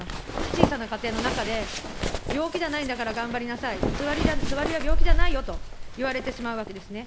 小さな家庭の中で、病気じゃないんだから頑張りなさい、つわりは病気じゃないよと言われてしまうわけですね。